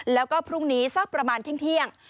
แล้วก็พรุ่งนี้สักประมาณเที่ยง